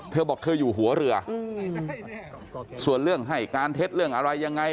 เธอบอกเธออยู่หัวเรือส่วนเรื่องให้การเท็จเรื่องอะไรยังไง